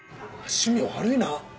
趣味悪いな。